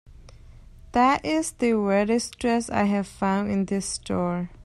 That is the weirdest dress I have found in this store.